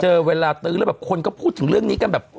เวลาตื้อแล้วแบบคนก็พูดถึงเรื่องนี้กันแบบ